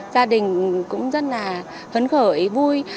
gia đình cũng rất là hấn khởi vui